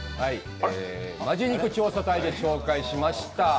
「本気肉調査隊」で紹介しました